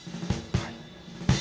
はい。